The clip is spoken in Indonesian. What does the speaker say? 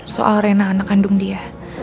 soal rena anak kandung dia